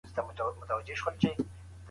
کله چې اقتصاد خرابېده خلک ډېر زیات اندېښمن وو.